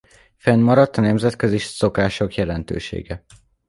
Fennmaradt a nemzetközi szokásjog jelentősége.